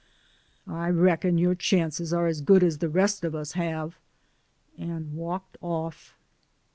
"I reckon your chances are as good as the rest of us have." And walked off.